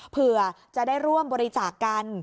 เผื่อจะได้ร่วมบริจาคกัน